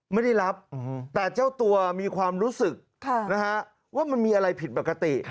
ไม่ได้รับแต่เจ้าตัวมีความรู้สึกว่ามันมีอะไรผิดปกติ